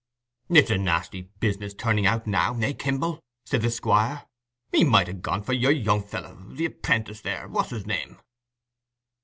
"It's a nasty business turning out now, eh, Kimble?" said the Squire. "He might ha' gone for your young fellow—the 'prentice, there—what's his name?"